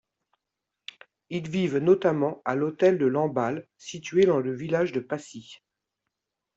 Ils vivent notamment à l’hôtel de Lamballe, situé dans le village de Passy.